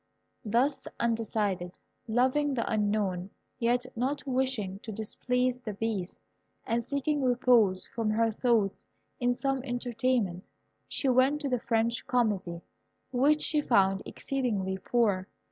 Thus undecided, loving the Unknown, yet not wishing to displease the Beast, and seeking repose from her thoughts in some entertainment, she went to the French Comedy, which she found exceedingly poor.